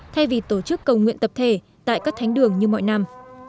thay vì tổ chức cầu nguyện tập thể tại các thánh đường như mọi năm